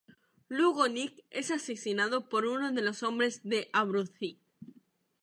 Luego, Nick es asesinado por uno de los hombres de Abruzzi.